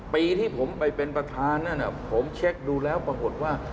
ปีที่ผมไปเป็นประธานนั่นผมเช็คดูแล้วปรากฏว่า